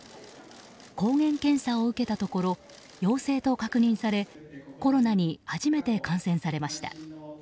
抗原検査を受けたところ陽性と確認されコロナに初めて感染されました。